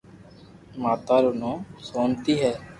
ماتا رو نيم ݾونتي ھي